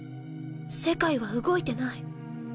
世界は動いてない。